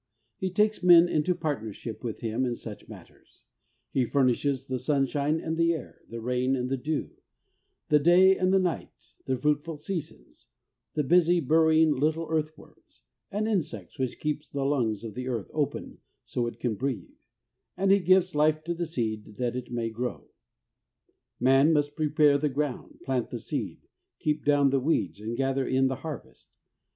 He takes men into partnership with Him in such matters ; He furnishes the sunshine and the air, the rain and the dew, the day and the night, the fruitful seasons, the busy, burrowing little earth worms, and insects which keep the lungs of the earth open so that it can breathe, and He gives life to the seed, so that it may grow. Man must prepare the ground, plant the seed, keep down the weeds, and gather in the harvest.